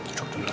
duduk dulu aja